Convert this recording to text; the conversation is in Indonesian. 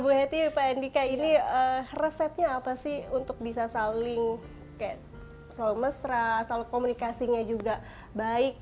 bu hetty pak andika ini resepnya apa sih untuk bisa saling kayak selalu mesra selalu komunikasinya juga baik